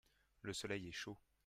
le soleil est chaud.